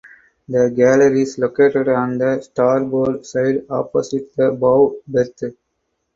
The galley is located on the starboard side opposite the bow berth.